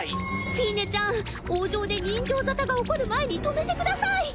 フィーネちゃん王城で刃傷沙汰が起こる前に止めてください。